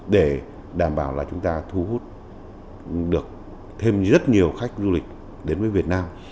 để đảm bảo là chúng ta thu hút được thêm rất nhiều khách du lịch đến với việt nam